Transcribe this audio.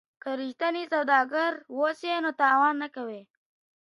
که رښتینی سوداګر اوسو نو تاوان نه کوو.